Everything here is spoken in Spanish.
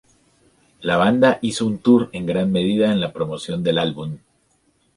La banda hizo un tour en gran medida en la promoción del álbum.